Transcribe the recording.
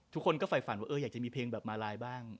ทุกคนก็ฝ่ายฝันว่าอยากจะมีเพลงแบบมาลายบ้าง